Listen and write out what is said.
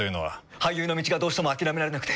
俳優の道がどうしても諦められなくて。